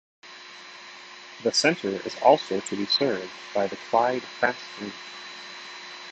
The centre is also to be served by the Clyde FastLink.